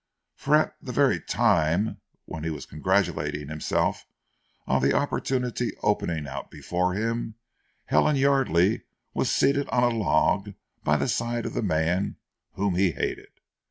For at the very time when he was congratulating himself on the opportunity opening out before him, Helen Yardely was seated on a log by the side of the man whom he hated.